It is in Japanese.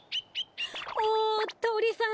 おおとりさん！